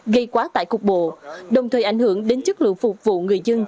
gây quá tải cục bộ đồng thời ảnh hưởng đến chất lượng phục vụ người dân